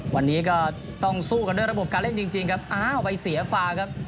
วันนี้ก็ต้องสู้กันด้วยระบบการเล่นจริงครับอ้าวไปเสียฟาครับ